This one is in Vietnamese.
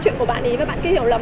khoan cái gì mày đi ra đây đây